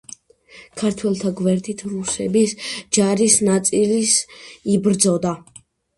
ქართველთა გვერდით რუსების ჯარის ნაწილიც იბრძოდა.